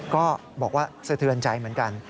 ก็บอกว่าสะเทือนใจเหมือนกัน